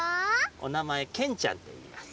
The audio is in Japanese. おなまえ「けんちゃん」といいます。